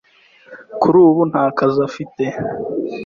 kuri ubu nta kazi afite.